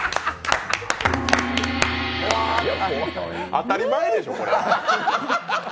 当たり前でしょ、これ。